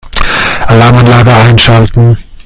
Alarmanlage einschalten.